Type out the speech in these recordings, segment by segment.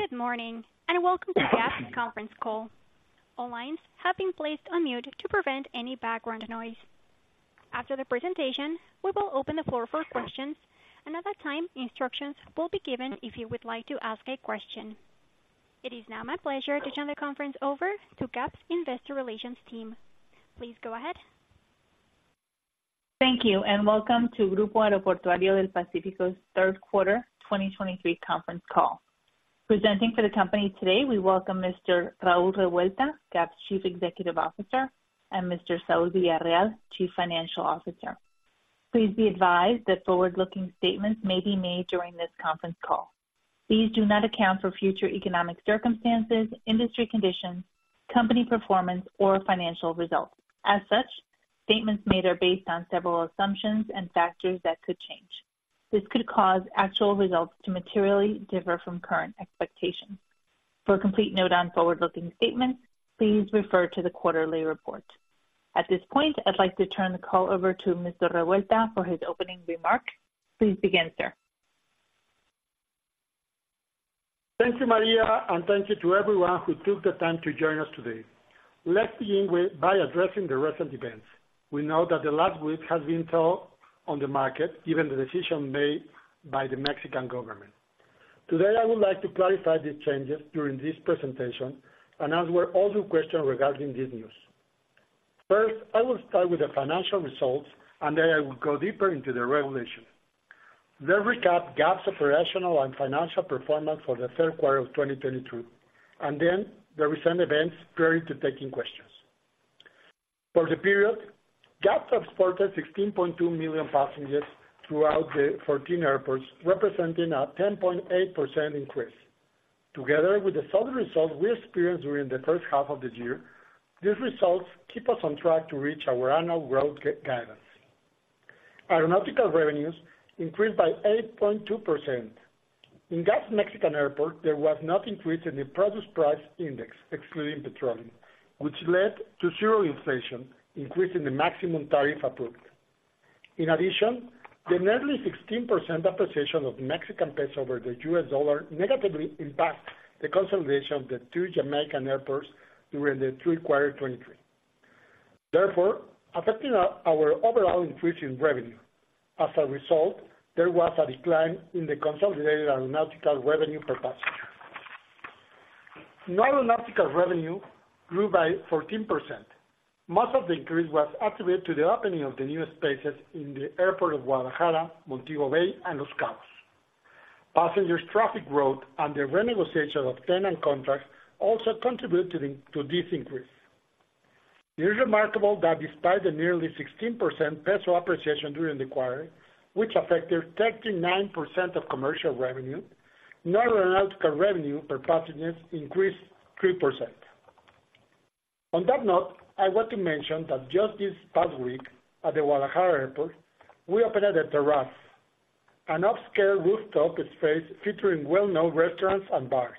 Good morning, and welcome to the GAP Conference Call. All lines have been placed on mute to prevent any background noise. After the presentation, we will open the floor for questions, and at that time, instructions will be given if you would like to ask a question. It is now my pleasure to turn the conference over to GAP's Investor Relations team. Please go ahead. Thank you, and welcome to Grupo Aeroportuario del Pacífico's Third Quarter 2023 Conference Call. Presenting for the company today, we welcome Mr. Raúl Revuelta, GAP's Chief Executive Officer, and Mr. Saúl Villarreal, Chief Financial Officer. Please be advised that forward-looking statements may be made during this conference call. These do not account for future economic circumstances, industry conditions, company performance, or financial results. As such, statements made are based on several assumptions and factors that could change. This could cause actual results to materially differ from current expectations. For a complete note on forward-looking statements, please refer to the quarterly report. At this point, I'd like to turn the call over to Mr. Revuelta for his opening remarks. Please begin, sir. Thank you, Maria, and thank you to everyone who took the time to join us today. Let's begin with, by addressing the recent events. We know that the last week has been tough on the market, given the decision made by the Mexican government. Today, I would like to clarify the changes during this presentation and answer all your questions regarding this news. First, I will start with the financial results, and then I will go deeper into the regulation. Let's recap GAP's operational and financial performance for the third quarter of 2022, and then the recent events prior to taking questions. For the period, GAP transported 16.2 million passengers throughout the 14 airports, representing a 10.8% increase. Together with the solid results we experienced during the first half of the year, these results keep us on track to reach our annual growth guidance. Aeronautical revenues increased by 8.2%. In GAP Mexican Airport, there was not increase in the producer price index, excluding petroleum, which led to zero inflation, increasing the maximum tariff approved. In addition, the nearly 16% appreciation of Mexican peso over the US dollar negatively impacted the consolidation of the two Jamaican airports during the third quarter of 2023, therefore affecting our overall increase in revenue. As a result, there was a decline in the consolidated aeronautical revenue per passenger. Non-aeronautical revenue grew by 14%. Most of the increase was attributed to the opening of the new spaces in the airport of Guadalajara, Montego Bay, and Los Cabos. Passenger traffic growth and the renegotiation of tenant contracts also contributed to this increase. It is remarkable that despite the nearly 16% peso appreciation during the quarter, which affected 39% of commercial revenue, non-aeronautical revenue per passengers increased 3%. On that note, I want to mention that just this past week, at the Guadalajara Airport, we opened The Terrace, an upscale rooftop space featuring well-known restaurants and bars.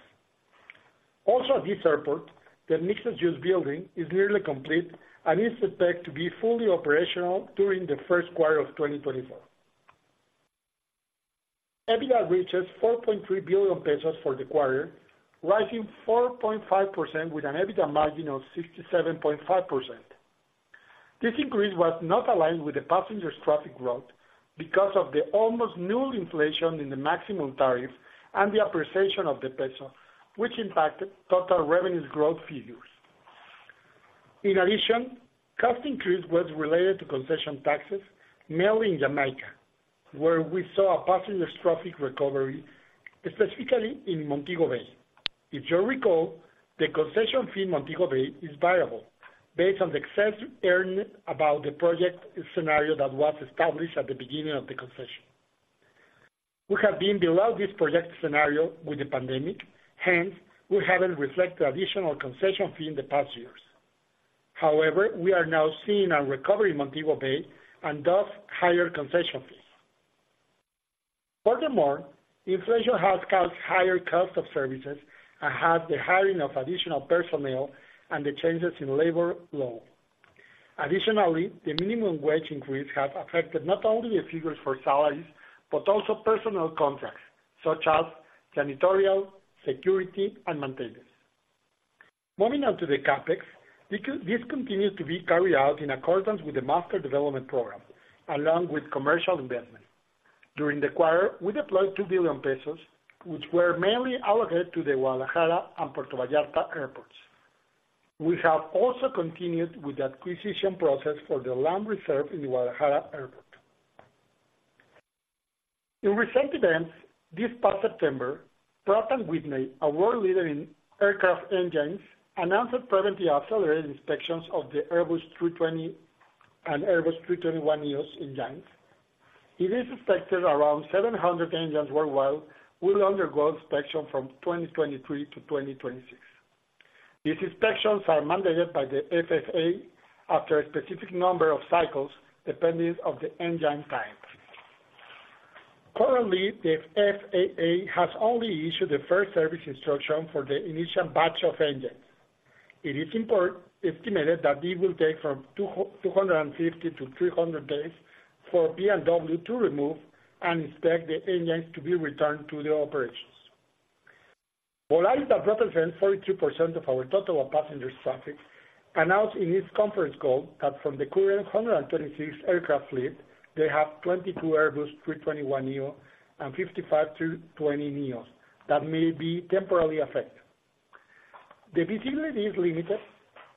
Also, at this airport, the mixed-use building is nearly complete and is expected to be fully operational during the first quarter of 2024. EBITDA reaches 4.3 billion pesos for the quarter, rising 4.5% with an EBITDA margin of 67.5%. This increase was not aligned with the passengers traffic growth because of the almost null inflation in the Maximum Tariff and the appreciation of the peso, which impacted total revenue growth figures. In addition, cost increase was related to concession taxes, mainly in Jamaica, where we saw a passengers traffic recovery, specifically in Montego Bay. If you recall, the concession fee in Montego Bay is variable, based on the excess earned about the project scenario that was established at the beginning of the concession. We have been below this project scenario with the pandemic, hence, we haven't reflected the additional concession fee in the past years. However, we are now seeing a recovery in Montego Bay and thus higher concession fees. Furthermore, inflation has caused higher cost of services and had the hiring of additional personnel and the changes in labor law. Additionally, the minimum wage increase has affected not only the figures for salaries, but also personal contracts, such as janitorial, security, and maintenance. Moving on to the CapEx, this continues to be carried out in accordance with the Master Development Program, along with commercial investment. During the quarter, we deployed 2 billion pesos, which were mainly allocated to the Guadalajara and Puerto Vallarta airports. We have also continued with the acquisition process for the land reserve in the Guadalajara airport. In recent events, this past September, Pratt & Whitney, a world leader in aircraft engines, announced preventive accelerated inspections of the Airbus A320 and Airbus A321 engines. It is expected around 700 engines worldwide will undergo inspection from 2023-2026. These inspections are mandated by the FAA after a specific number of cycles, depending on the engine type. Currently, the FAA has only issued the first service instruction for the initial batch of engines. It is estimated that it will take from 250-300 days for P&W to remove and inspect the engines to be returned to the operations. Volaris, that represents 42% of our total passenger traffic, announced in its conference call that from the current 126 aircraft fleet, they have 22 Airbus A321neo and 55 A320neo that may be temporarily affected. The visibility is limited,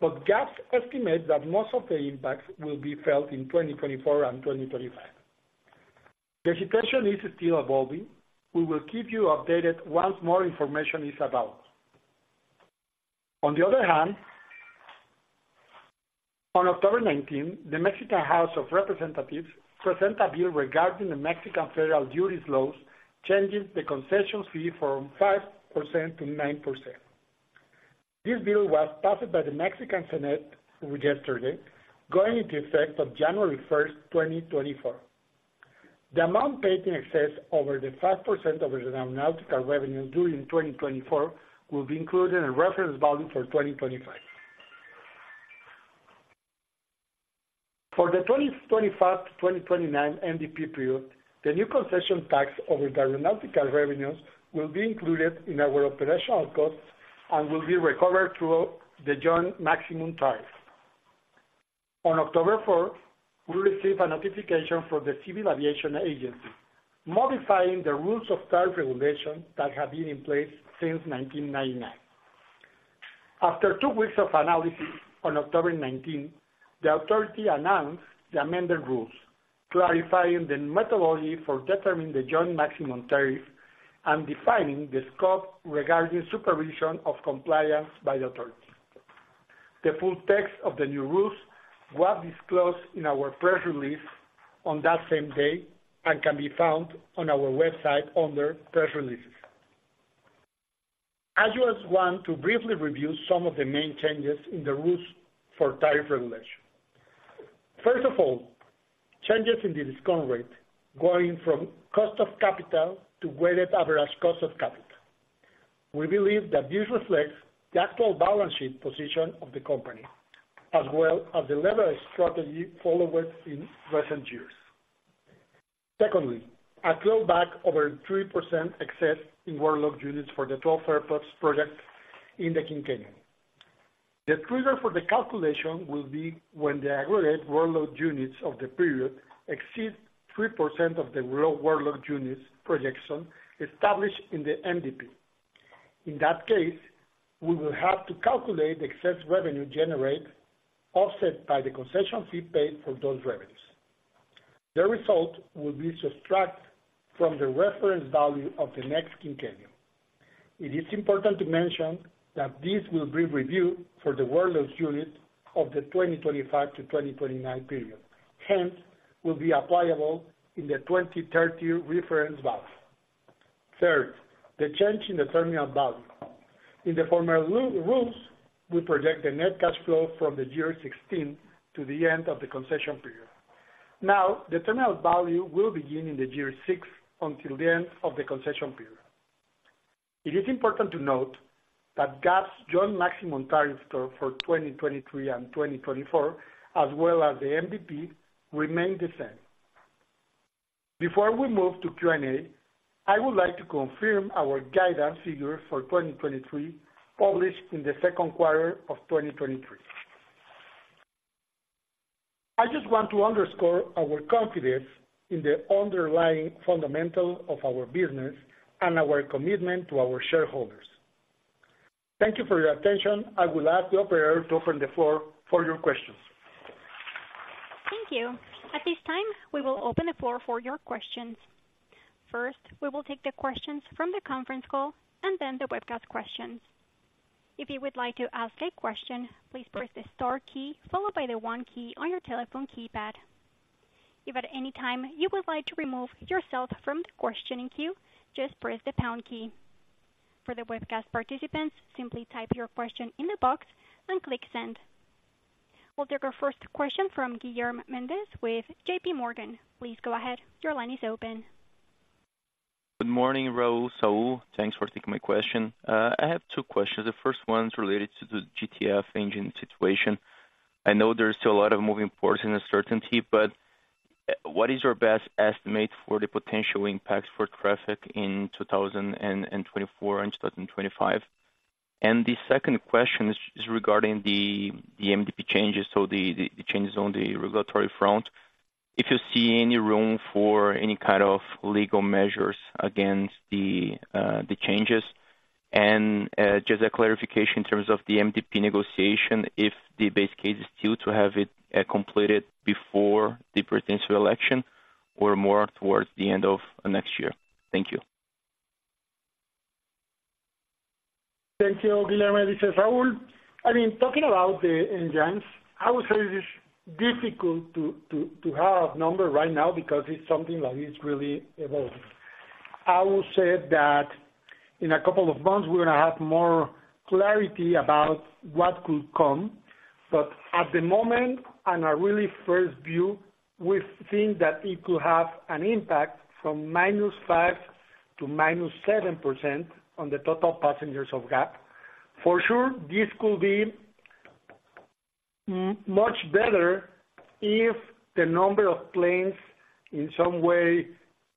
but GAP estimates that most of the impacts will be felt in 2024 and 2025. The situation is still evolving. We will keep you updated once more information is available. On the other hand, on October 19, the Mexican House of Representatives presented a bill regarding the Mexican Federal Duties Laws, changing the concession fee from 5%-9%. This bill was passed by the Mexican Senate yesterday, going into effect on January 1, 2024. The amount paid in excess over the 5% of the aeronautical revenue due in 2024, will be included in a reference value for 2025. For the 2025-2029 MDP period, the new concession tax over the aeronautical revenues will be included in our operational costs and will be recovered through the joint maximum tariff. On October 4, we received a notification from the Civil Aviation Agency, modifying the rules of tariff regulation that have been in place since 1999. After two weeks of analysis, on October 19, the authority announced the amended rules, clarifying the methodology for determining the joint Maximum Tariff and defining the scope regarding supervision of compliance by the authority. The full text of the new rules was disclosed in our press release on that same day and can be found on our website under Press Releases. I just want to briefly review some of the main changes in the rules for tariff regulation. First of all, changes in the discount rate, going from cost of capital to weighted average cost of capital. We believe that this reflects the actual balance sheet position of the company, as well as the leverage strategy followed within recent years. Secondly, a throwback over 3% excess in Workload Units for the 12 airports project in the quinquennium. The trigger for the calculation will be when the aggregate workload units of the period exceed 3% of the low workload units projection established in the MDP. In that case, we will have to calculate the excess revenue generated, offset by the concession fee paid for those revenues. The result will be subtracted from the reference value of the next quinquennium. It is important to mention that this will be reviewed for the workload unit of the 2025-2029 period, hence, will be applicable in the 2030 reference value. Third, the change in the terminal value. In the former rules, we project the net cash flow from the year 16 to the end of the concession period. Now, the terminal value will begin in the year six until the end of the concession period. It is important to note that GAP's joint maximum tariff for 2023 and 2024, as well as the MDP, remain the same. Before we move to Q&A, I would like to confirm our guidance figures for 2023, published in the second quarter of 2023. I just want to underscore our confidence in the underlying fundamentals of our business and our commitment to our shareholders. Thank you for your attention. I will ask the operator to open the floor for your questions. Thank you. At this time, we will open the floor for your questions. First, we will take the questions from the conference call and then the webcast questions. If you would like to ask a question, please press the star key followed by the one key on your telephone keypad. If at any time you would like to remove yourself from the questioning queue, just press the pound key. For the webcast participants, simply type your question in the box and click send. We'll take our first question from Guilherme Mendes with JPMorgan. Please go ahead. Your line is open. Good morning, Raúl, Saúl. Thanks for taking my question. I have two questions. The first one is related to the GTF engine situation. I know there are still a lot of moving parts and uncertainty, but what is your best estimate for the potential impacts for traffic in 2024 and 2025? And the second question is regarding the MDP changes, so the changes on the regulatory front. If you see any room for any kind of legal measures against the changes? And just a clarification in terms of the MDP negotiation, if the base case is still to have it completed before the presidential election or more towards the end of next year. Thank you. Thank you, Guillerme. This is Raúl. I mean, talking about the engines, I would say it is difficult to have a number right now because it's something that is really evolving. I will say that in a couple of months, we're gonna have more clarity about what could come, but at the moment, on a really first view, we think that it could have an impact from -5% to -7% on the total passengers of GAP. For sure, this could be much better if the number of planes, in some way,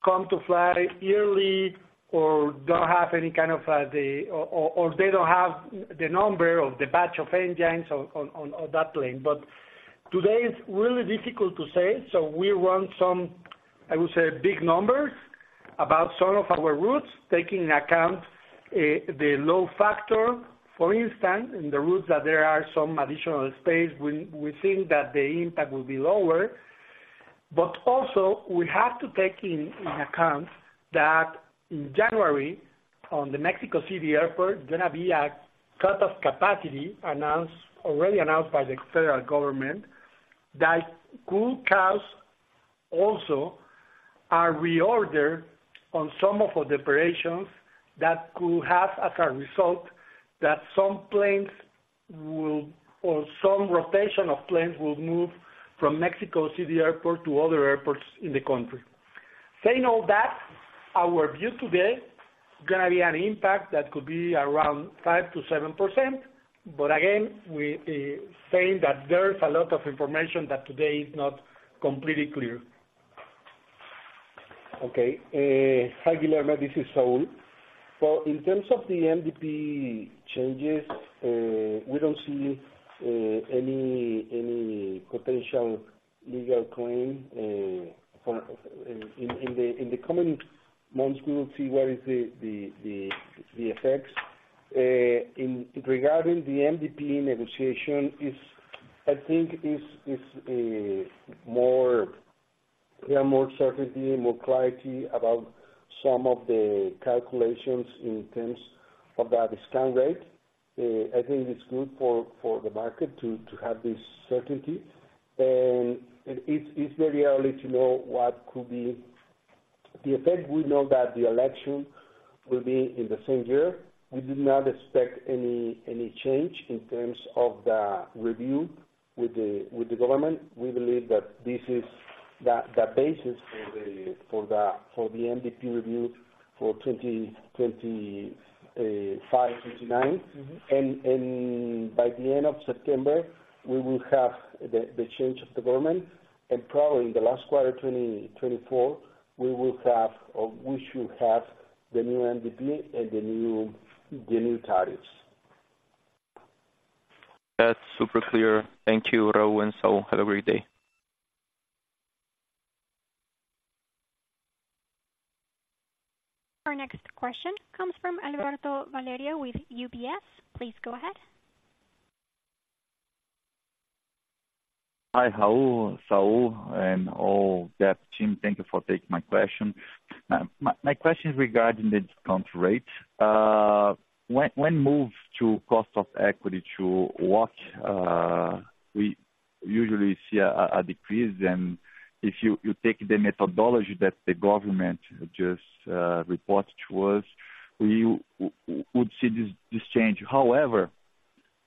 come to fly yearly or don't have any kind of, the, or they don't have the number or the batch of engines on that plane. But today, it's really difficult to say. So we run some, I would say, big numbers about some of our routes, taking into account the low factor. For instance, in the routes that there are some additional space, we, we think that the impact will be lower. But also, we have to take into account that in January, on the Mexico City Airport, gonna be a cut of capacity announced, already announced by the federal government, that could cause also a reorder on some of our operations that could have, as a result, that some planes will... or some rotation of planes will move from Mexico City Airport to other airports in the country. Saying all that, our view today, gonna be an impact that could be around 5%-7%, but again, we saying that there is a lot of information that today is not completely clear. Okay, hi, Guillerme, this is Saúl. Well, in terms of the MDP changes, we don't see any potential legal claim in the coming months, we will see what is the effects. Regarding the MDP negotiation, I think there is more certainty, more clarity about some of the calculations in terms of the discount rate. I think it's good for the market to have this certainty. It's very early to know what could be the effect. We know that the election will be in the same year. We do not expect any change in terms of the review with the government. We believe that this is the basis for the MDP review for 2025-2029. Mm-hmm. By the end of September, we will have the change of government, and probably in the last quarter of 2024, we will have, or we should have the new MDP and the new tariffs. That's super clear. Thank you, Raúl and Saúl. Have a great day. Our next question comes from Alberto Valerio with UBS. Please go ahead. Hi, Raúl, Saúl, and all the team. Thank you for taking my question. My question is regarding the discount rate. When moved to cost of equity to WACC, we usually see a decrease, and if you take the methodology that the government just reported to us, we would see this change. However,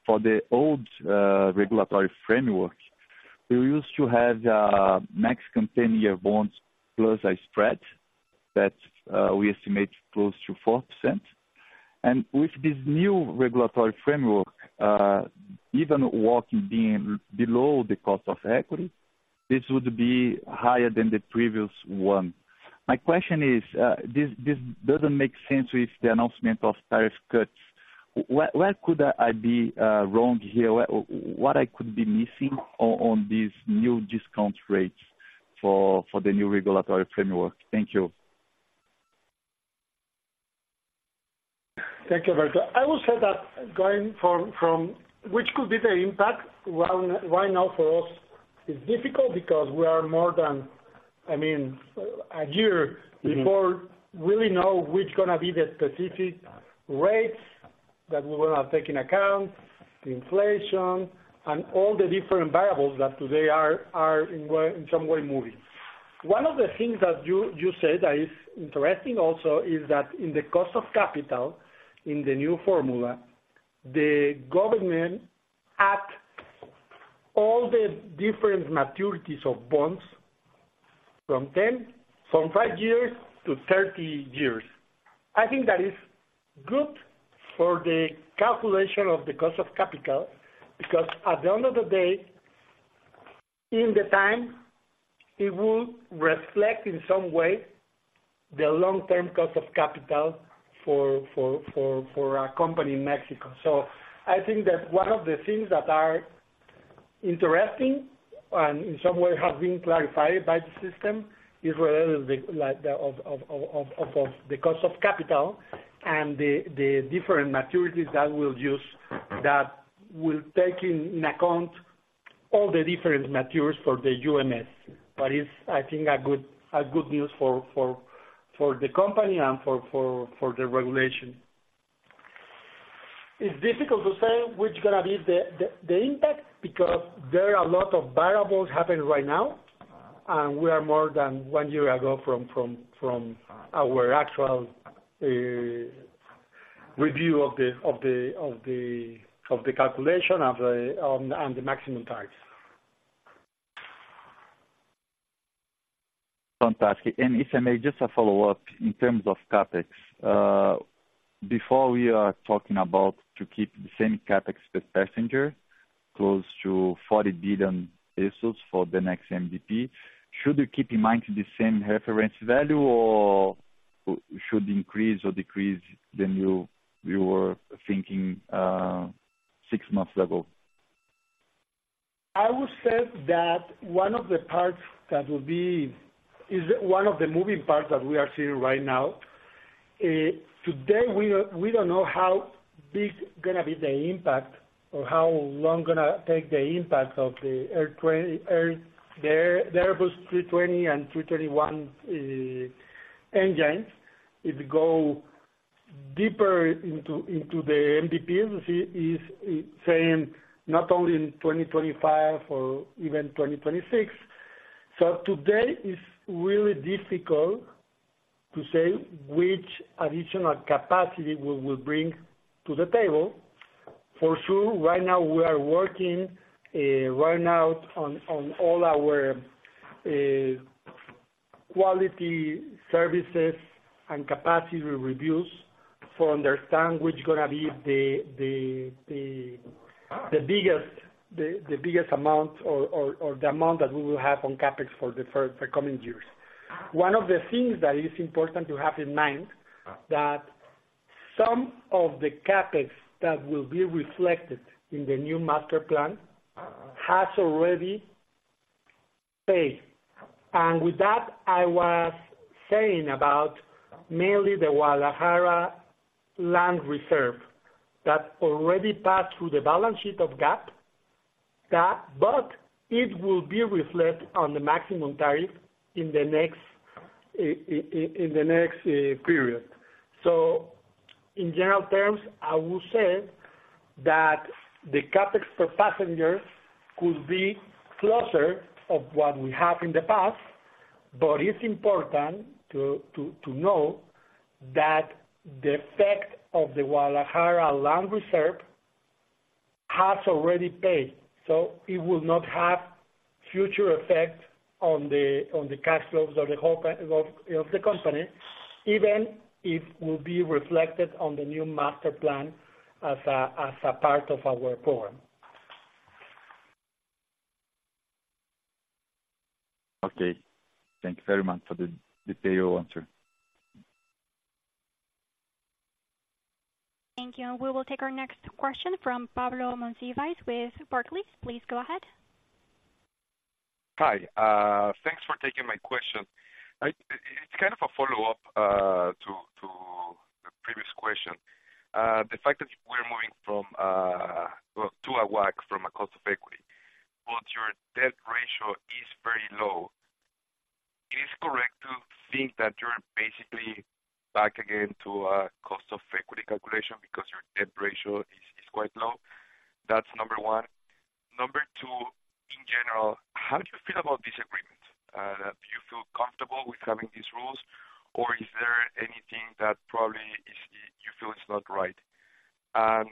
for the old regulatory framework, we used to have Mexican 10-year bonds plus a spread that we estimate close to 4%. And with this new regulatory framework, even WACC being below the cost of equity, this would be higher than the previous one. My question is, this doesn't make sense with the announcement of tariff cuts. Where could I be wrong here? What I could be missing on these new discount rates for the new regulatory framework? Thank you. Thank you, Alberto. I will say that going from, from which could be the impact, well, right now for us, it's difficult because we are more than, I mean, a year- Mm-hmm Before we know which gonna be the specific rates that we will have take in account, the inflation, and all the different variables that today are in way, in some way moving. One of the things that you said that is interesting also is that in the cost of capital, in the new formula, the government add all the different maturities of bonds from 10, from five years to 30 years. I think that is good for the calculation of the cost of capital, because at the end of the day, in the time, it will reflect in some way the long-term cost of capital for a company in Mexico. I think that one of the things that are interesting, and in some way have been clarified by the system, is rather the, like the, of, of, of, of, of, the cost of capital and the, the different maturities that we'll use, that will take in account all the different matures for the UMS. But it's, I think, a good, a good news for, for, for the company and for, for, for the regulation. It's difficult to say which gonna be the, the, the impact, because there are a lot of variables happening right now, and we are more than one year ago from, from, from our actual review of the, of the, of the, of the calculation, of the... on, and the maximum tariff.... Fantastic. And if I may, just a follow-up. In terms of CapEx, before we are talking about to keep the same CapEx per passenger, close to 40 billion pesos for the next MDP, should you keep in mind the same reference value, or should increase or decrease than you, you were thinking, six months ago? I would say that one of the parts that will be, is one of the moving parts that we are seeing right now, eh, today, we, we don't know how big gonna be the impact or how long gonna take the impact of the air Pratt & Whitney, the Airbus A320 and A321, engines. It go deeper into, into the MDP is, is saying not only in 2025 or even 2026. Today, it's really difficult to say which additional capacity we will bring to the table. For sure, right now we are working, right now on, on all our, quality services and capacity reviews to understand which gonna be the, the, the biggest, the, the biggest amount or, or, or the amount that we will have on CapEx for the for, for coming years. One of the things that is important to have in mind, that some of the CapEx that will be reflected in the new master plan has already paid. And with that, I was saying about mainly the Guadalajara land reserve, that already passed through the balance sheet of GAP, that, but it will be reflected on the Maximum Tariff in the next, in the next, period. So in general terms, I would say that the CapEx per passenger could be closer to what we have in the past, but it's important to know that the effect of the Guadalajara land reserve has already paid, so it will not have future effect on the cash flows of the whole of the company, even if will be reflected on the new master plan as a part of our formula. Okay. Thank you very much for the clear answer. Thank you. We will take our next question from Pablo Monsivais with Barclays. Please go ahead. Hi, thanks for taking my question. It's kind of a follow-up to the previous question. The fact that we're moving from well to a WACC from a cost of equity, but your debt ratio is very low. Is it correct to think that you're basically back again to a cost of equity calculation because your debt ratio is quite low? That's number one. Number two, in general, how do you feel about this agreement? Do you feel comfortable with having these rules, or is there anything that probably is you feel it's not right? I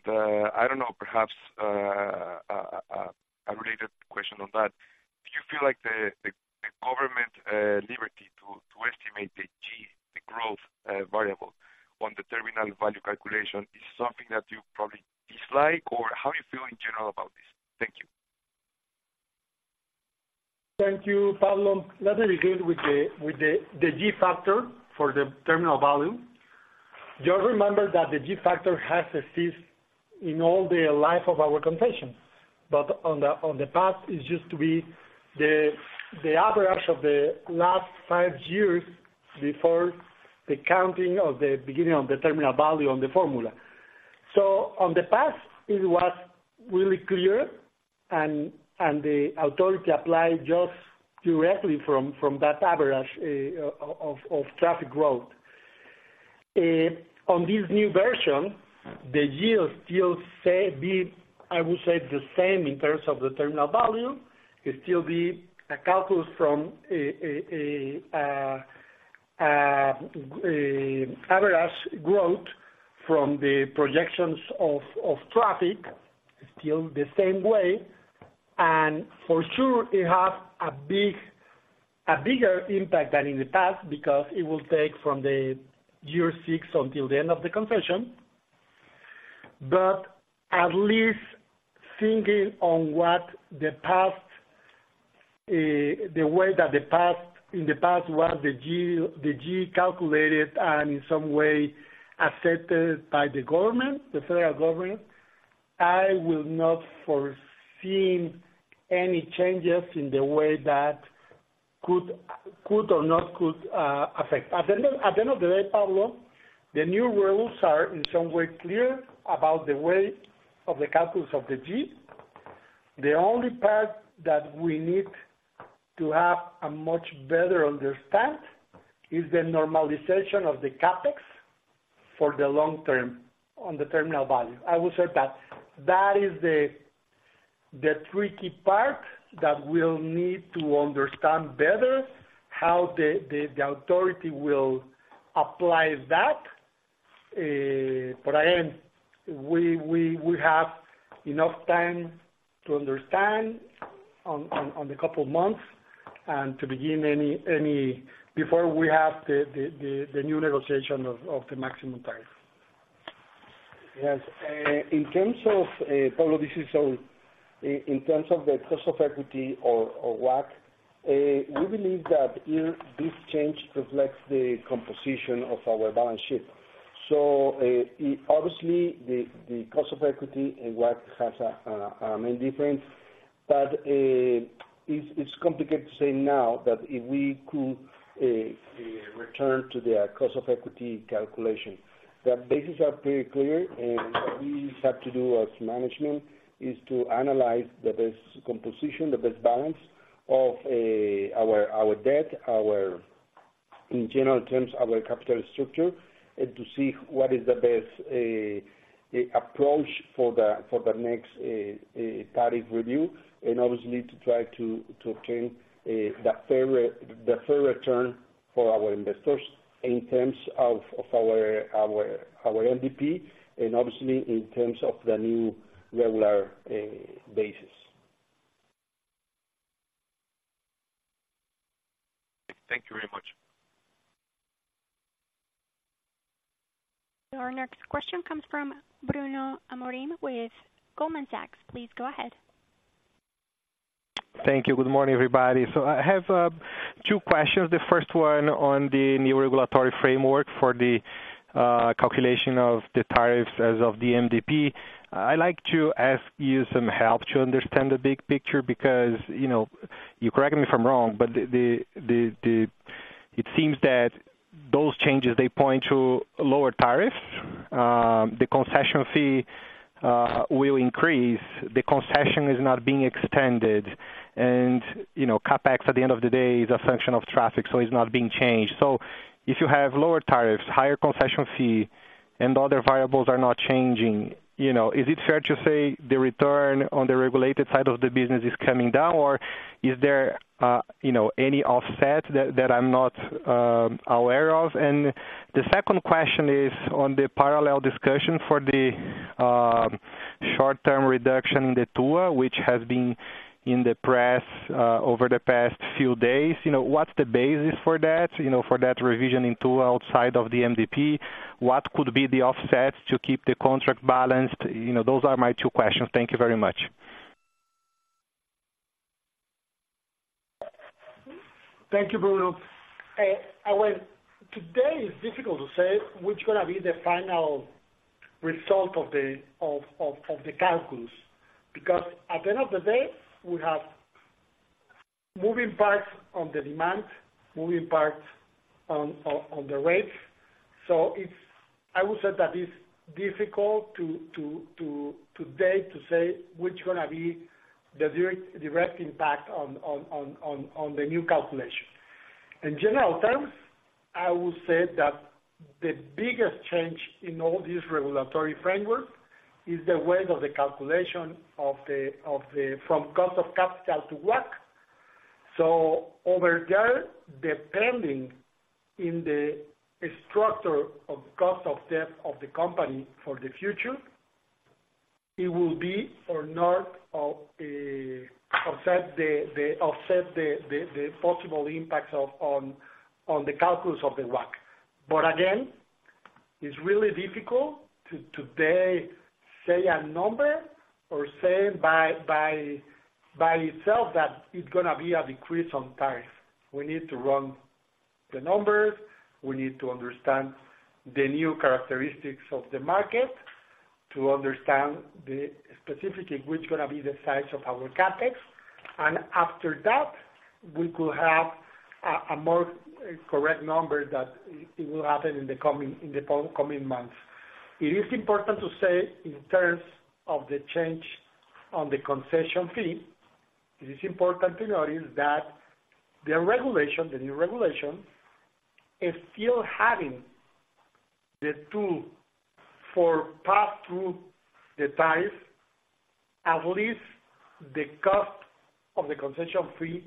don't know, perhaps a related question on that. Do you feel like the government liberty to estimate the growth variable on the terminal value calculation is something that you probably dislike, or how do you feel in general about this? Thank you. Thank you, Pablo. Let me begin with the G factor for the terminal value. Just remember that the G factor has existed in all the life of our concession, but in the past, it used to be the average of the last five years before the counting of the beginning of the terminal value on the formula. In the past, it was really clear, and the authority applied just directly from that average of traffic growth. In this new version, the yield still, I would say, is the same in terms of the terminal value. It still is a calculus from an average growth from the projections of traffic, still the same way. For sure, it has a big... a bigger impact than in the past, because it will take from year six until the end of the concession. At least thinking on what the past, the way that the past, in the past was the G, the G calculated and in some way accepted by the government, the federal government, I will not foreseeing any changes in the way that could, could or not could affect. At the end, at the end of the day, Pablo, the new rules are in some way clear about the way of the calculus of the G. The only part that we need to have a much better understand is the normalization of the CapEx for the long term on the terminal value. I will say that that is the tricky part that we'll need to understand better how the authority will apply that.... But again, we have enough time to understand on the couple of months and to begin any before we have the new negotiation of the Maximum Tariff. Yes. In terms of the cost of equity or WACC, we believe that here this change reflects the composition of our balance sheet. So, obviously, the cost of equity and WACC has a main difference, but it's complicated to say now that if we could return to the cost of equity calculation. The bases are pretty clear, and what we have to do as management is to analyze the best composition, the best balance of our debt, in general terms, our capital structure, and to see what is the best approach for the next tariff review, and obviously to try to obtain the fair return for our investors in terms of our MDP, and obviously in terms of the new regulatory basis. Thank you very much. Our next question comes from Bruno Amorim with Goldman Sachs. Please go ahead. Thank you. Good morning, everybody. So I have two questions. The first one on the new regulatory framework for the calculation of the tariffs as of the MDP. I'd like to ask you some help to understand the big picture, because, you know, you correct me if I'm wrong, but it seems that those changes, they point to lower tariffs. The concession fee will increase. The concession is not being extended. And, you know, CapEx, at the end of the day, is a function of traffic, so it's not being changed. So if you have lower tariffs, higher concession fee, and other variables are not changing, you know, is it fair to say the return on the regulated side of the business is coming down, or is there, you know, any offset that that I'm not aware of? The second question is on the parallel discussion for the short-term reduction in the TUA, which has been in the press over the past few days. You know, what's the basis for that, you know, for that revision in TUA outside of the MDP? What could be the offset to keep the contract balanced? You know, those are my two questions. Thank you very much. Thank you, Bruno. Today, it's difficult to say what's gonna be the final result of the calculus, because at the end of the day, we have moving parts on the demand, moving parts on the rates. So it's difficult to say what's gonna be the direct impact on the new calculation. In general terms, I would say that the biggest change in all this regulatory framework is the way of the calculation of the from cost of capital to WACC. So over there, depending on the structure of cost of debt of the company for the future, it will or not offset the possible impacts on the calculus of the WACC. But again, it's really difficult to today say a number or say by itself that it's gonna be a decrease on tariff. We need to run the numbers. We need to understand the new characteristics of the market, to understand the specifically which gonna be the size of our CapEx, and after that, we could have a more correct number that it will happen in the coming months. It is important to say, in terms of the change on the concession fee, it is important to notice that the regulation, the new regulation, is still having the tool for pass through the tariff, at least the cost of the concession fee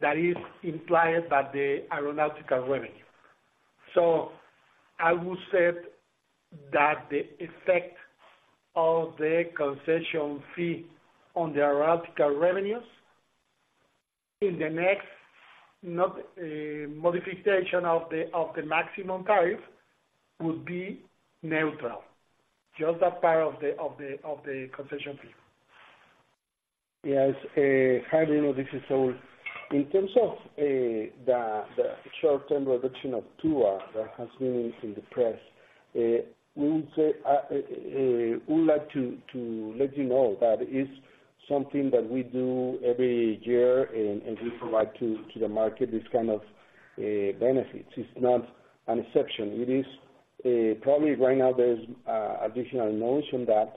that is implied by the aeronautical revenue. I would say that the effect of the concession fee on the aeronautical revenues in the next, not, eh, modification of the maximum tariff, would be neutral, just that part of the concession fee. Yes, hi, Bruno. This is Saúl. In terms of the short-term reduction of TUA that has been in the press, we would say we would like to let you know that it's something that we do every year, and we provide to the market this kind of benefits. It's not an exception. It is probably right now there's additional notion that,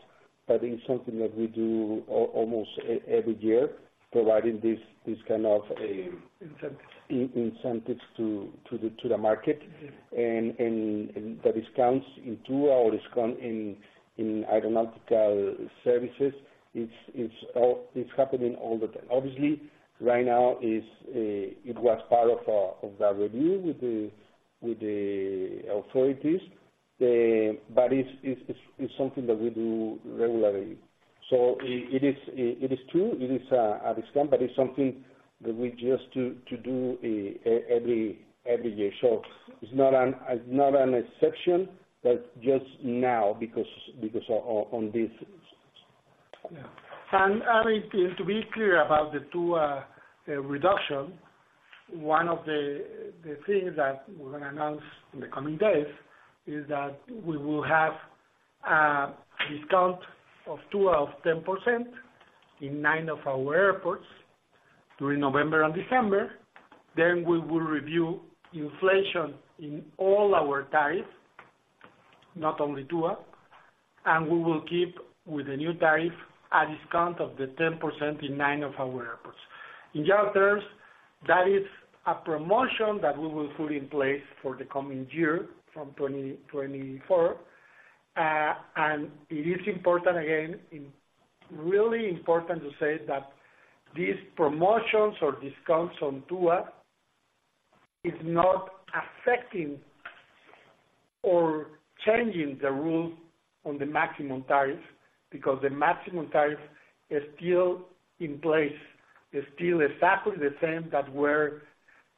but it's something that we do almost every year, providing this kind of a- Incentives. Incentives to the market. And the discounts in TUA or discount in aeronautical services, it's happening all the time. Obviously, right now, it was part of the review with the authorities. But it's something that we do regularly. So it is true, it is a discount, but it's something that we just do every year. So it's not an exception, but just now because of this. Yeah. And it, to be clear about the two, reduction, one of the things that we're gonna announce in the coming days is that we will have discount of TUA of 10% in nine of our airports during November and December. Then we will review inflation in all our tariff, not only TUA, and we will keep with the new tariff, a discount of the 10% in nine of our airports. In other terms, that is a promotion that we will put in place for the coming year, from 2024. It is important, again, really important to say that these promotions or discounts on TUA is not affecting or changing the rules on the maximum tariff, because the maximum tariff is still in place, is still exactly the same that were,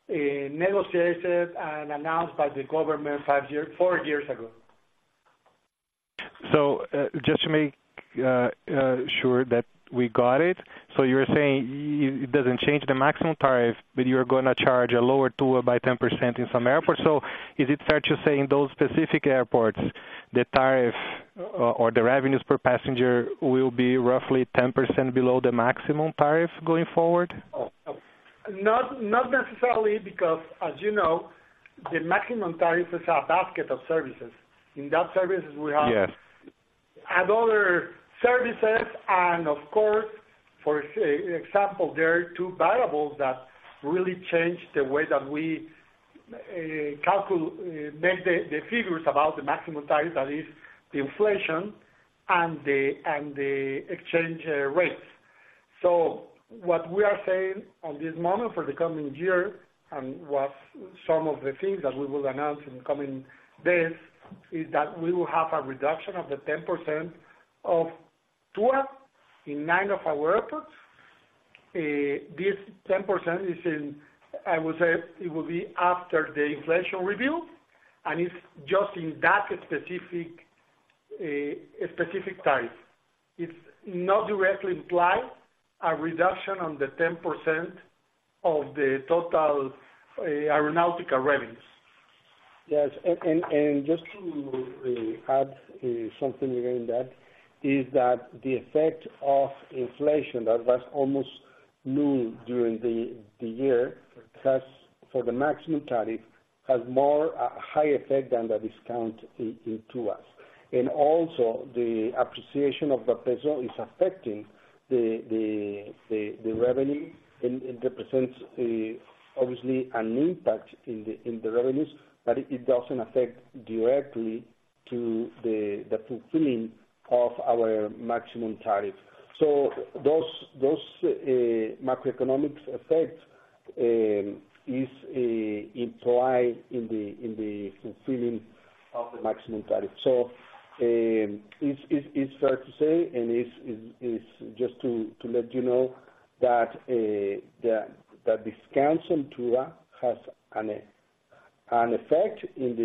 eh, negotiated and announced by the government five years—four years ago. So, just to make sure that we got it. So you're saying it doesn't change the maximum tariff, but you're gonna charge a lower TUA by 10% in some airports. So is it fair to say in those specific airports, the tariff or the revenues per passenger will be roughly 10% below the maximum tariff going forward? Oh, no. Not, not necessarily, because as you know, the Maximum Tariff is a basket of services. In that services we have- Yes. Other services, and of course, for example, there are two variables that really change the way that we make the figures about the maximum tariff, that is the inflation and the exchange rates. So what we are saying on this moment for the coming year, and what some of the things that we will announce in the coming days, is that we will have a reduction of the 10% of TUA in nine of our airports. This 10% is, I would say, it will be after the inflation review, and it's just in that specific tariff. It's not directly imply a reduction on the 10% of the total aeronautical revenues. Yes, just to add something again in that, the effect of inflation that was almost null during the year has, for the maximum tariff, more of a high effect than the discount in TUAs. Also, the appreciation of the peso is affecting the revenue, and it represents, obviously, an impact in the revenues, but it doesn't affect directly the fulfilling of our maximum tariff. Those macroeconomic effects are implied in the fulfilling of the maximum tariff. It's fair to say, and it's just to let you know that the discount on TUA has an effect in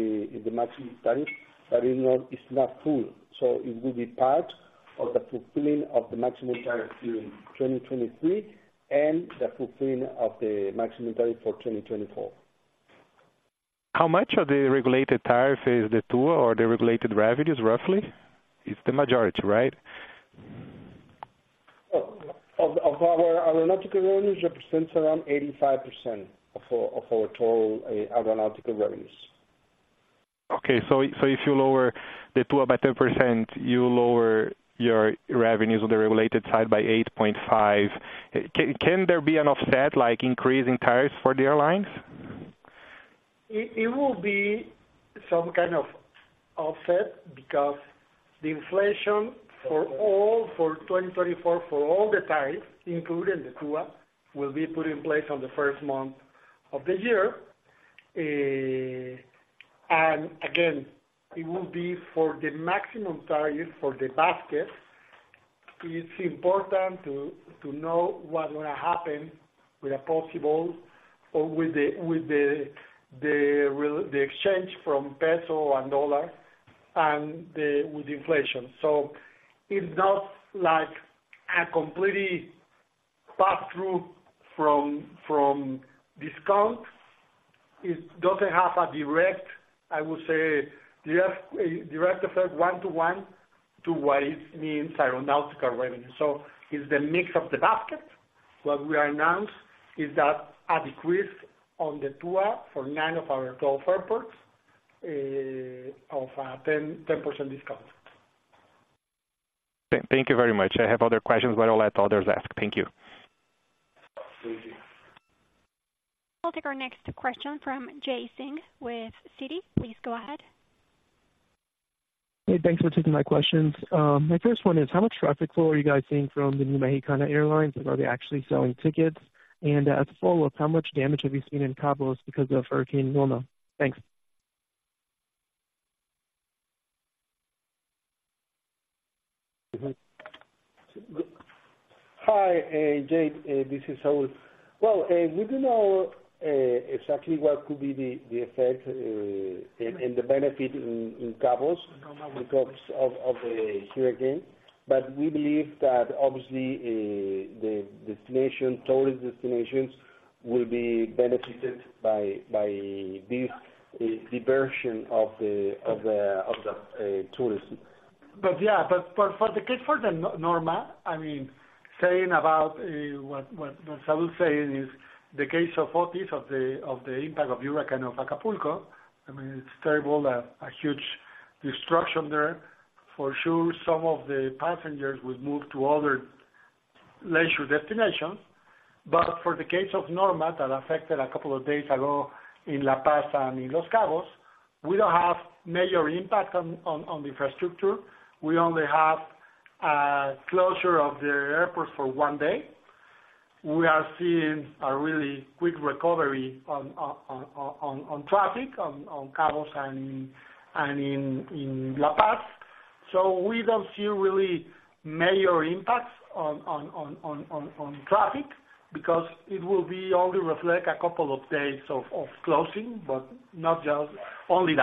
the maximum tariff, but it's not full. It will be part of the fulfilling of the Maximum Tariff during 2023, and the fulfilling of the Maximum Tariff for 2024. How much of the regulated tariff is the TUA or the regulated revenues, roughly? It's the majority, right? Of our aeronautical revenues, represents around 85% of our total aeronautical revenues. Okay, so, so if you lower the TUA by 10%, you lower your revenues on the regulated side by 8.5%. Can there be an offset, like increasing tariffs for the airlines? It will be some kind of offset because the inflation for all, for 2024, for all the tariff, including the TUA, will be put in place on the first month of the year. Eh, again, it will be for the maximum tariff for the basket. It's important to know what will happen with a possible or with the exchange from peso and dollar, and with inflation. It's not like a completely pass through from discount. It doesn't have a direct, I would say, direct effect, one to one, to what it means aeronautical revenue. It's the mix of the basket. What we announced is that a decrease on the TUA for nine of our 12 airports, eh, of 10% discount. Thank you very much. I have other questions, but I'll let others ask. Thank you. Thank you. We'll take our next question from Jay Singh with Citi. Please go ahead. Hey, thanks for taking my questions. My first one is, how much traffic flow are you guys seeing from the new Mexicana Airlines, and are they actually selling tickets? And, as a follow-up, how much damage have you seen in Los Cabos because of Hurricane Wilma? Thanks. Hi, Jay, this is Saúl. Well, we do know exactly what could be the effect and the benefit in Cabos because of the hurricane. We believe that obviously the tourist destinations will be benefited by this diversion of the tourism. Yeah, for the case for Norma, I mean, saying about what Saúl is saying is the case of Otis, of the impact of hurricane of Acapulco, I mean, it's terrible, a huge destruction there. For sure, some of the passengers will move to other leisure destinations. For the case of Norma, that affected a couple of days ago in La Paz and in Los Cabos, we don't have major impact on the infrastructure. We only have closure of the airport for one day. We are seeing a really quick recovery on traffic on Los Cabos and in La Paz. So we don't see really major impacts on traffic, because it will be only reflect a couple of days of closing, but not just only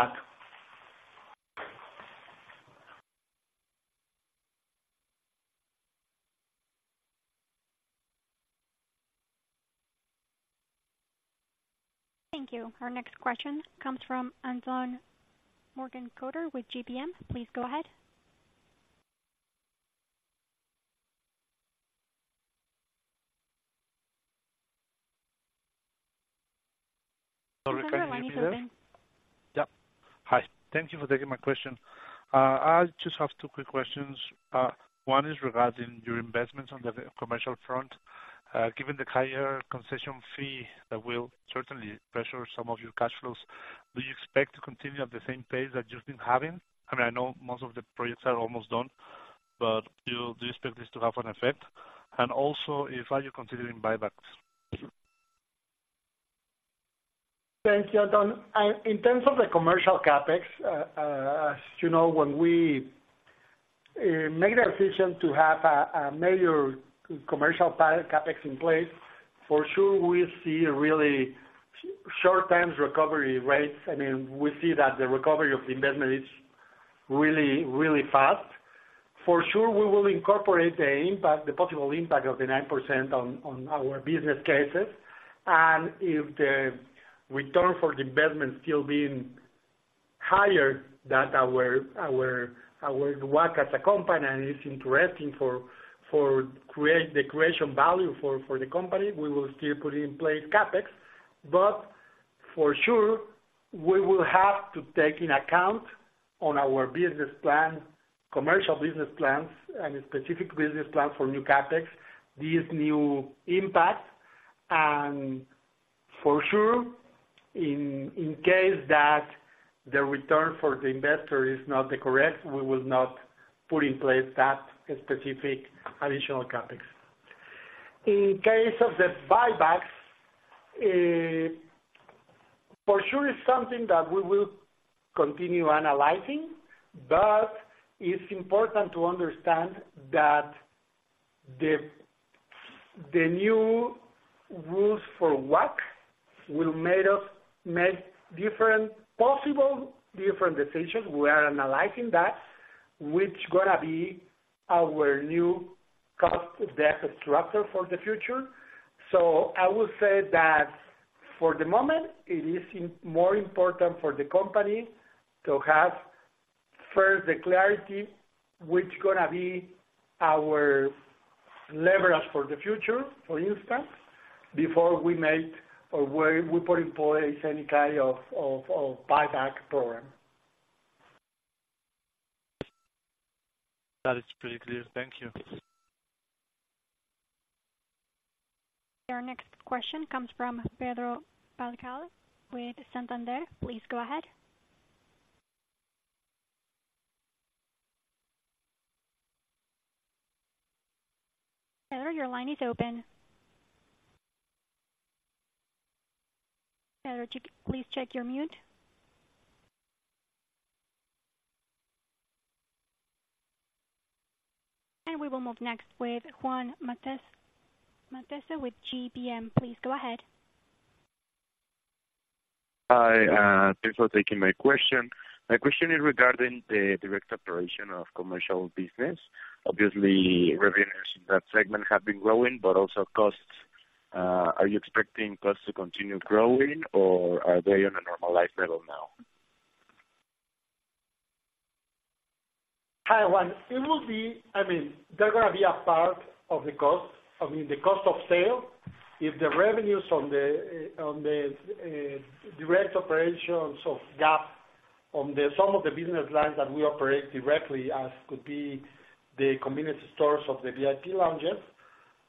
that. Thank you. Our next question comes from Anton Mortenkotter with GBM. Please go ahead. Sorry, can you hear me? Your line is open. Yeah. Hi. Thank you for taking my question. I just have two quick questions. One is regarding your investments on the commercial front. Given the higher concession fee, that will certainly pressure some of your cash flows, do you expect to continue at the same pace that you've been having? I mean, I know most of the projects are almost done, but do you expect this to have an effect? Also, are you considering buybacks? Thank you, Anton. In terms of the commercial CapEx, as you know, when we made a decision to have a major commercial CapEx in place, for sure we see a really short-term recovery rates. I mean, we see that the recovery of the investment is really, really fast. For sure, we will incorporate the impact, the possible impact of the 9% on our business cases. If the return for the investment still being higher than our WACC as a company, and it's interesting for the creation value for the company, we will still put in place CapEx. For sure, we will have to take in account on our business plan, commercial business plans, and specific business plan for new CapEx, these new impacts. For sure, in case that the return for the investor is not the correct, we will not put in place that specific additional CapEx. In case of the buybacks, for sure it's something that we will continue analyzing, but it's important to understand that the new rules for WACC will make us make different, possible different decisions. We are analyzing that, which gonna be our new cost, debt structure for the future. So I will say that for the moment, it is more important for the company to have first the clarity, which gonna be our leverage for the future, for instance, before we make or where we put in place any kind of, of, of buyback program. That is pretty clear. Thank you. Our next question comes from Pedro Balcão. With Santander, please go ahead. Pedro, your line is open. Pedro, would you please check your mute? We will move next with Juan Macedo, Macedo with GBM. Please go ahead. Hi, thanks for taking my question. My question is regarding the direct operation of commercial business. Obviously, revenues in that segment have been growing, but also costs. Are you expecting costs to continue growing, or are they on a normalized level now? Hi, Juan. It will be... I mean, they're gonna be a part of the cost, I mean, the cost of sale. If the revenues on the direct operations of GAP, on the some of the business lines that we operate directly, as could be the convenience stores of the VIP lounges,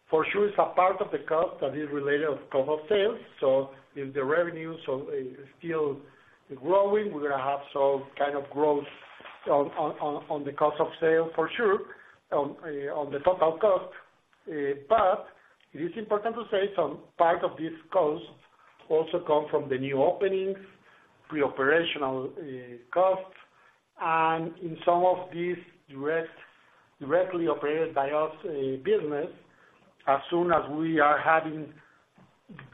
for sure it's a part of the cost that is related of cost of sales. So if the revenues are still growing, we're gonna have some kind of growth- ... on the cost of sale for sure, on the total cost. But it is important to say some part of this cost also come from the new openings, pre-operational costs, and in some of these directly operated by us business, as soon as we are having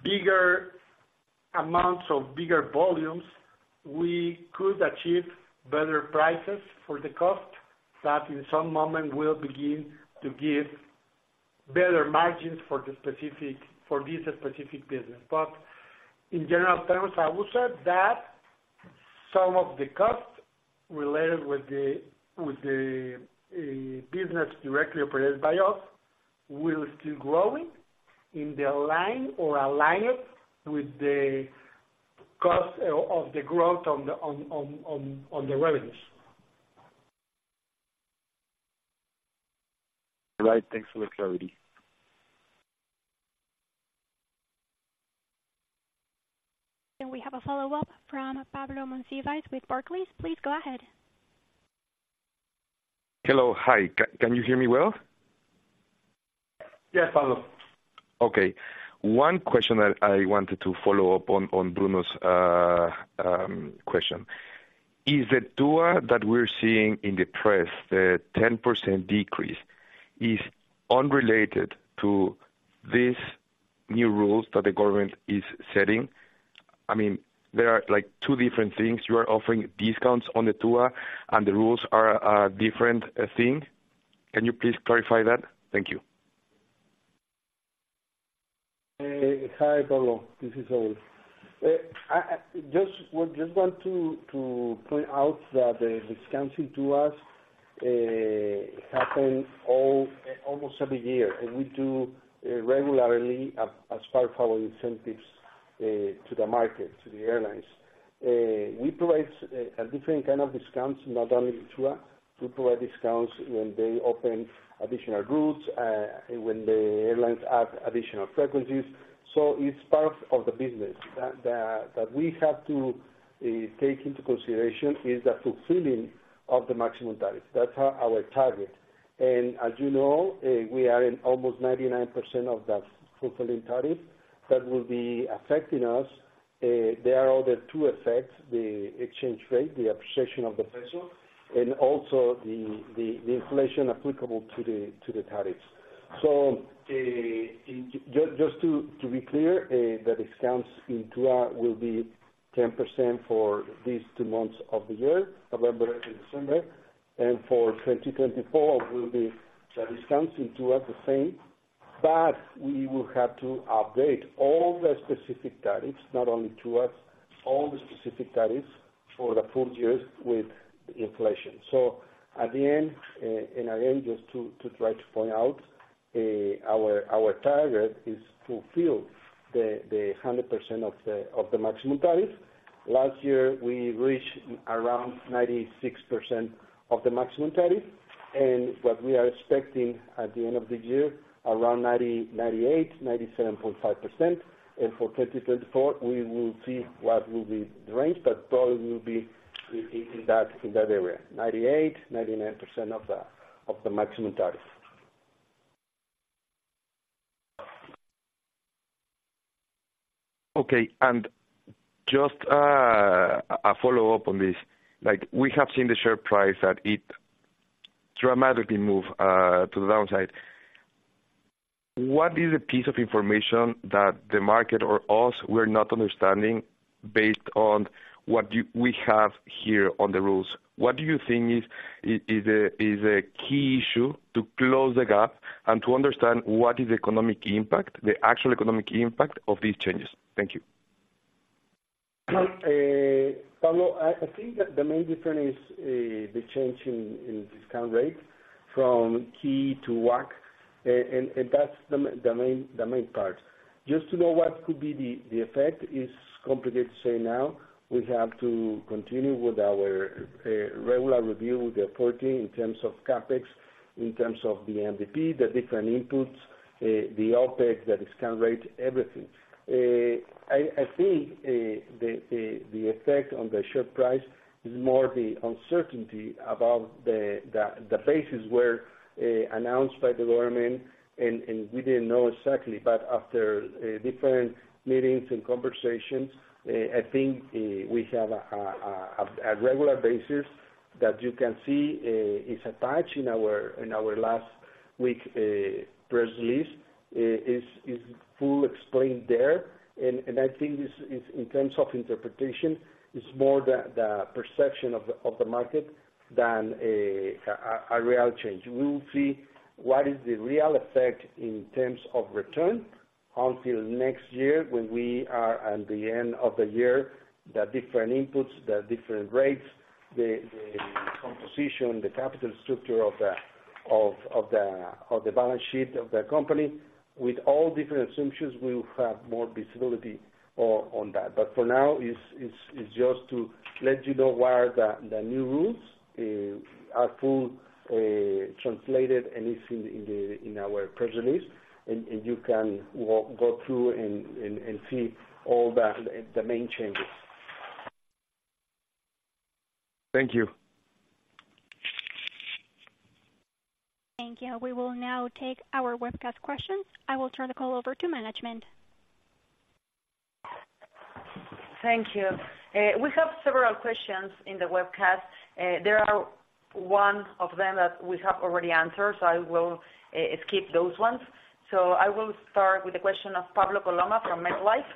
bigger amounts of bigger volumes, we could achieve better prices for the cost, that in some moment will begin to give better margins for the specific, for this specific business. But in general terms, I would say that some of the costs related with the business directly operated by us, will still growing in the line or alignment with the cost of the growth on the revenues. Right. Thanks for the clarity. We have a follow-up from Pablo Monsivais with Barclays. Please go ahead. Hello, hi. Can you hear me well? Yes, Pablo. Okay. One question that I wanted to follow up on, on Bruno's question: Is the TUA that we're seeing in the press, the 10% decrease, unrelated to these new rules that the government is setting? I mean, there are, like, two different things. You are offering discounts on the TUA, and the rules are a different thing. Can you please clarify that? Thank you. Hi, Pablo, this is Saúl. I just want to point out that the discount in TUAs happen almost every year, and we do regularly as part of our incentives to the market, to the airlines. We provide a different kind of discounts, not only TUA. We provide discounts when they open additional routes, when the airlines add additional frequencies, so it's part of the business. That we have to take into consideration is the fulfilling of the Maximum Tariff. That's our target. And as you know, we are in almost 99% of that fulfilling tariff. That will be affecting us. There are other two effects, the exchange rate, the appreciation of the peso, and also the inflation applicable to the tariffs. So, just to be clear, the discounts in TUA will be 10% for these two months of the year, November and December, and for 2024 will be the discounts in TUA the same, but we will have to update all the specific tariffs, not only TUAs, all the specific tariffs for the full years with inflation. So at the end, and again, just to try to point out, our target is to fulfill the 100% of the maximum tariff. Last year, we reached around 96% of the maximum tariff, and what we are expecting at the end of the year, around 90, 98, 97.5%. For 2024, we will see what will be the range, but probably will be in that area, 98%-99% of the Maximum Tariff. Okay, and just a follow-up on this. Like, we have seen the share price, that it dramatically move to the downside. What is the piece of information that the market or us we're not understanding based on what you- we have here on the rules? What do you think is a key issue to close the gap and to understand what is the economic impact, the actual economic impact of these changes? Thank you. Pablo, I think the main difference is the change in discount rate from Ke to WACC, and that's the main part. Just to know what could be the effect is complicated to say now. We have to continue with our regular review with the reporting in terms of CapEx, in terms of the MDP, the different inputs, the OpEx, the discount rate, everything. I think the effect on the share price is more the uncertainty about the phases were announced by the government, and we didn't know exactly. But after different meetings and conversations, I think we have a regular basis that you can see is attached in our last week press release is full explained there. And I think this is, in terms of interpretation, it's more the perception of the market than a real change. We will see what is the real effect in terms of return until next year when we are at the end of the year, the different inputs, the different rates, the composition, the capital structure of the balance sheet of the company. With all different assumptions, we will have more visibility on that. But for now, it's just to let you know what are the new rules.... are full, translated and it's in our press release, and you can go through and see all the main changes. Thank you. Thank you. We will now take our webcast questions. I will turn the call over to management. Thank you. We have several questions in the webcast. There are one of them that we have already answered, so I will skip those ones. So I will start with the question of Pablo Coloma from MetLife.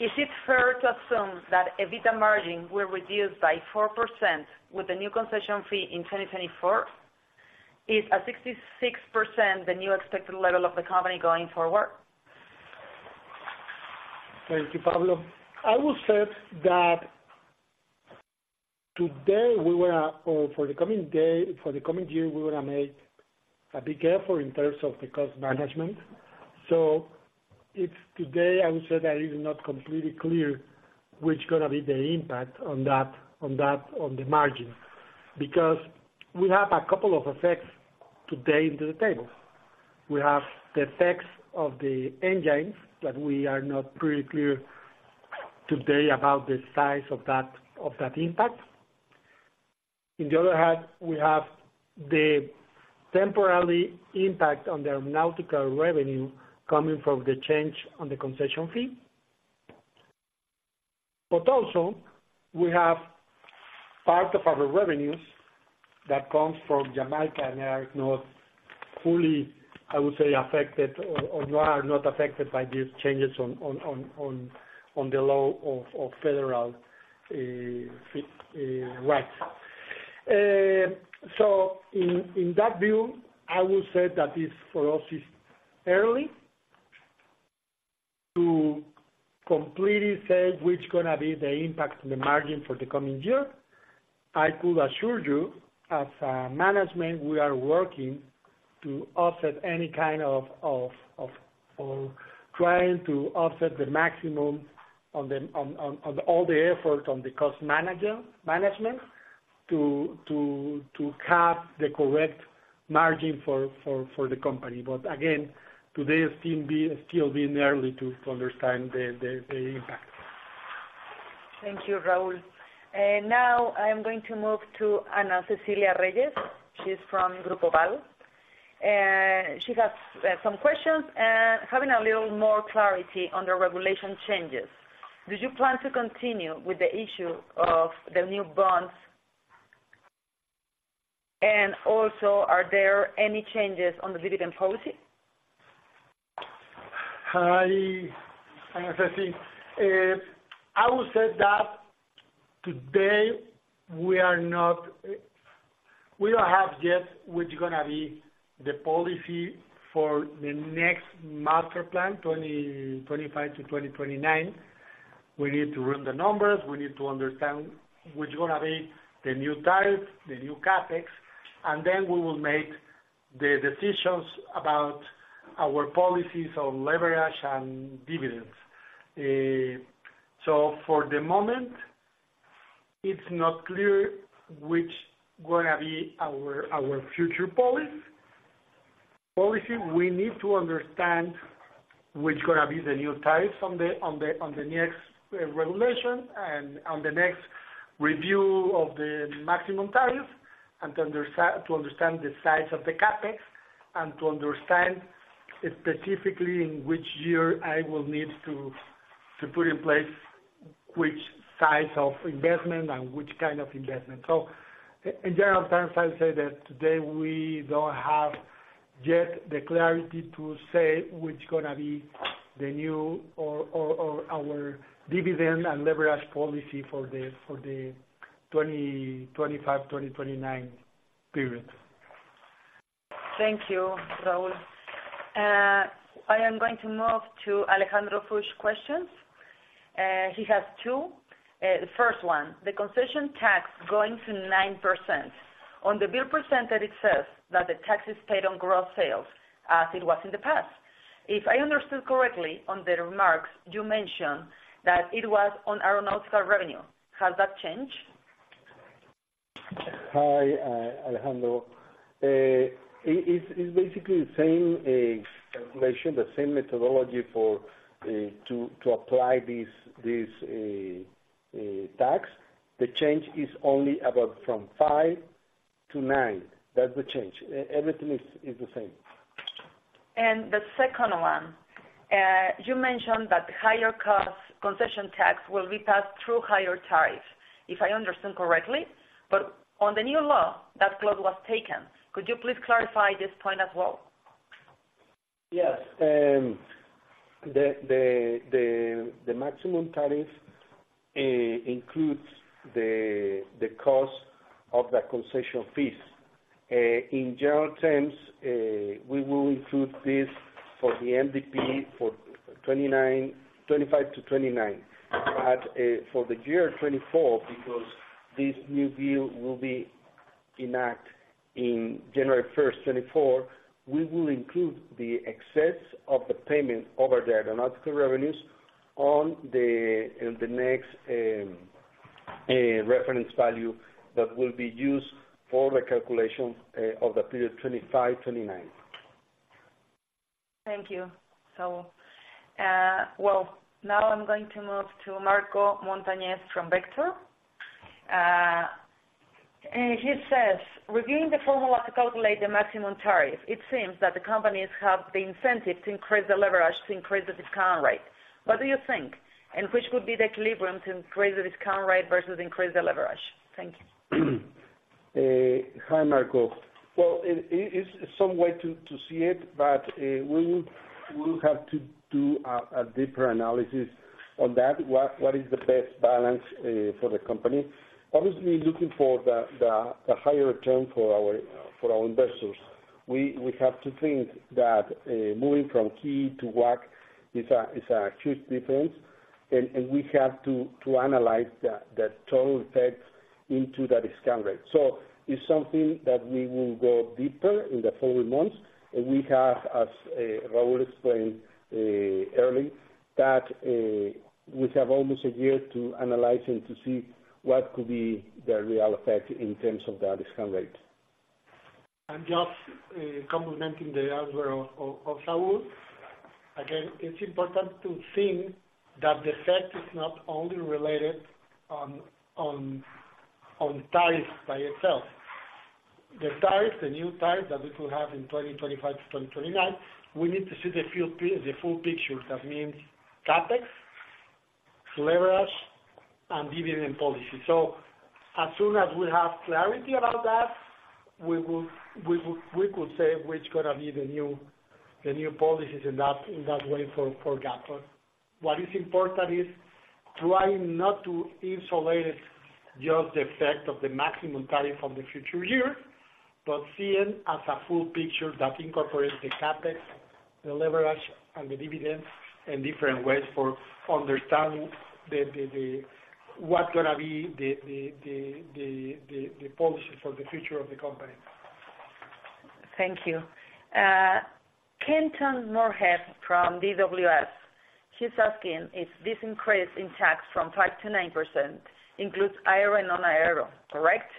Is it fair to assume that EBITDA margin will reduce by 4% with the new concession fee in 2024? Is a 66% the new expected level of the company going forward? Thank you, Pablo. I will say that today, or for the coming year, we will be careful in terms of the cost management. So if today, I would say that it is not completely clear which is gonna be the impact on that, on that, on the margin. Because we have a couple of effects today into the table. We have the effects of the NGNs, that we are not pretty clear today about the size of that, of that impact. On the other hand, we have the temporary impact on the aeronautical revenue coming from the change on the concession fee. We have part of our revenues that comes from Jamaica, and they are not fully, I would say, affected or they are not affected by these changes on the Law of Federal Rights. In that view, I will say that for us, it's early to completely say which is gonna be the impact on the margin for the coming year. I could assure you, as management, we are working to offset any kind of... trying to offset the maximum on all the effort on the cost management, to have the correct margin for the company. Again, today is still being early to understand the impact. Thank you, Raúl. And now I'm going to move to Ana Cecilia Reyes. She's from Grupo Bal. She has some questions. Having a little more clarity on the regulation changes, do you plan to continue with the issue of the new bonds? And also, are there any changes on the dividend policy? Hi, Ana Cecilia. I will say that today we are not... We don't have yet which is gonna be the policy for the next master plan, 2025 to 2029. We need to run the numbers, we need to understand which is gonna be the new tariff, the new CapEx, and then we will make the decisions about our policies on leverage and dividends. So for the moment, it's not clear which gonna be our, our future policy. Policy, we need to understand which is gonna be the new tariffs on the, on the, on the next regulation and on the next review of the maximum tariff, and to understand the size of the CapEx, and to understand specifically in which year I will need to, to put in place which size of investment and which kind of investment. So in general terms, I'd say that today we don't have yet the clarity to say which is gonna be the new or our dividend and leverage policy for the 2025-2029 period. Thank you, Raul. I am going to move to Alejandro Fuchs questions. He has two. The first one: The concession tax going to 9%. On the bill presented, it says that the tax is paid on gross sales, as it was in the past. If I understood correctly on the remarks, you mentioned that it was on aeronautical revenue. Has that changed? Hi, Alejandro. It's basically the same calculation, the same methodology for to apply this tax. The change is only about from 5 to 9. That's the change. Everything is the same. The second one: you mentioned that higher costs concession tax will be passed through higher tariff, if I understand correctly. But on the new law, that clause was taken. Could you please clarify this point as well? Yes. The maximum tariff includes the cost of the concession fees. In general terms, we will include this for the MDP for 2025-2029. But, for the year 2024, because this new bill will be enacted in January 1, 2024, we will include the excess of the payment over the aeronautical revenues-... on the, in the next reference value that will be used for the calculation of the period 2025-2029. Thank you. So, now I'm going to move to Marco Montañez from Vector. And he says, "Reviewing the formula to calculate the maximum tariff, it seems that the companies have the incentive to increase the leverage, to increase the discount rate. What do you think? And which would be the equilibrium to increase the discount rate versus increase the leverage?" Thank you. Hi, Marco. Well, it is some way to see it, but we will have to do a deeper analysis on that. What is the best balance for the company? Obviously, looking for the higher return for our investors. We have to think that moving from key to WACC is a huge difference, and we have to analyze the total effect into the discount rate. It is something that we will go deeper in the following months. We have, as Raúl explained early, that we have almost a year to analyze and to see what could be the real effect in terms of the discount rate. Just complementing the answer of Saúl. Again, it's important to think that the effect is not only related on tariffs by itself. The tariffs, the new tariffs that we could have in 2025-2029, we need to see the full picture. That means CapEx, leverage, and dividend policy. So as soon as we have clarity about that, we could say which gonna be the new policies in that way for GAP. What is important is trying not to insulate just the effect of the maximum tariff from the future years, but seeing as a full picture that incorporates the CapEx, the leverage, and the dividends, and different ways for understanding what gonna be the policy for the future of the company. Thank you. Kenton Moorhead from DWS. He's asking if this increase in tax from 5%-9% includes aero and non-aero, correct?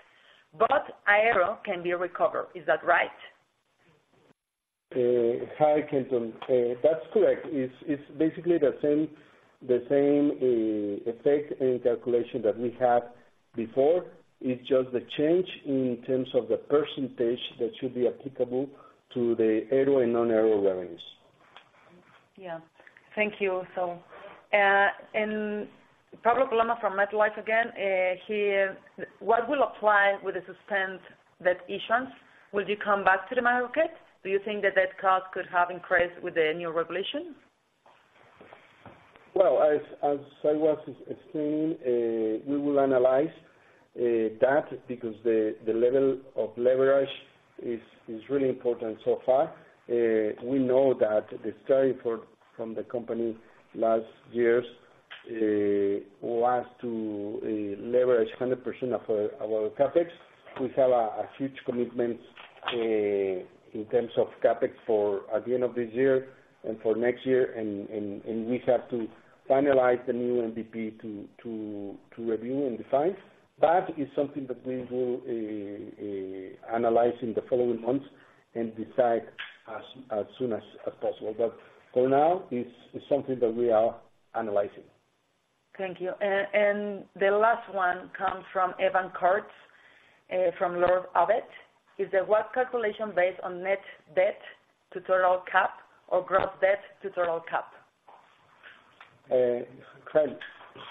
But aero can be recovered, is that right? Hi, Kenton. That's correct. It's basically the same effect and calculation that we had before. It's just the change in terms of the percentage that should be applicable to the aero and non-aero revenues. Yeah. Thank you. So, and Pablo Coloma from MetLife again, he, "What will apply with the suspend debt issuance? Will you come back to the market? Do you think the debt cost could have increased with the new regulation? Well, as Saúl was explaining, we will analyze that because the level of leverage is really important so far. We know that the strategy from the company last years was to leverage 100% of our CapEx. We have a huge commitment in terms of CapEx for the end of this year and for next year, and we have to finalize the new MDP to review and define. That is something that we will analyze in the following months and decide as soon as possible. But for now, it's something that we are analyzing. Thank you. The last one comes from Evan Curtz from Lord Abbett. Is the WACC calculation based on net debt to total cap or gross debt to total cap? Hi,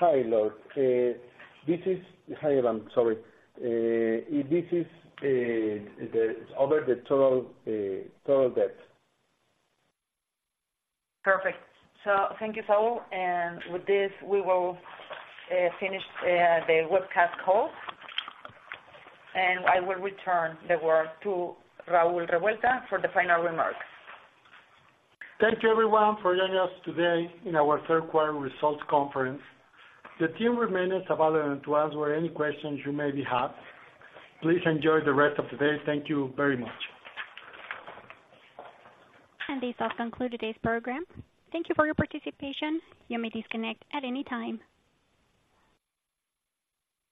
hi, Lord. This is... Hi, Evan. Sorry. This is the, over the total, total debt. Perfect. So thank you, Saúl. And with this, we will finish the webcast call. And I will return the word to Raúl Revuelta for the final remarks. Thank you everyone for joining us today in our third quarter results conference. The team remains available to answer any questions you may have. Please enjoy the rest of the day. Thank you very much. This does conclude today's program. Thank you for your participation. You may disconnect at any time.